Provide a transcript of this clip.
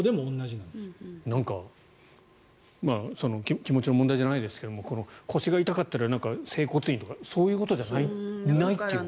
なんか気持ちの問題じゃないですが腰が痛かったら整骨院とかそういうことじゃないという。